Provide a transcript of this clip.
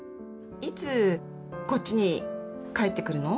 いつこっちに帰ってくるの？